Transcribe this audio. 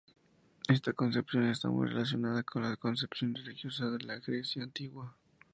Esta concepción está muy relacionada con la concepción religiosa de la Grecia Antigua.